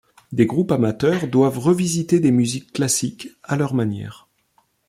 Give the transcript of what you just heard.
Des groupes amateurs doivent revisiter des musiques classiques à leur manière.